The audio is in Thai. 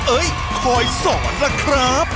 เอ้ยคอยสอนล่ะครับ